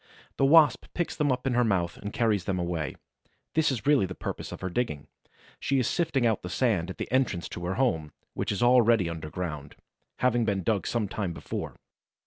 The Wasp picks them up in her mouth and carries them away. This is really the purpose of her digging. She is sifting out the sand at the entrance to her home, which is all ready underground, having been dug some time before.